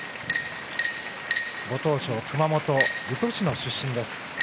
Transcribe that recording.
ご当所熊本・宇土市の出身です。